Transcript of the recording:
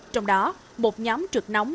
trong đó một nhóm trực nóng